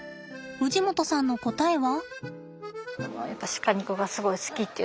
氏夲さんの答えは。